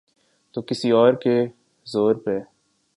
تو کسی اور کے زور پہ۔